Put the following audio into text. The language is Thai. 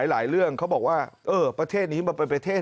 หลายเรื่องเขาบอกว่าเออประเทศนี้มันเป็นประเทศ